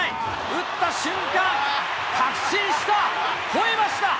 打った瞬間、確信した、ほえました。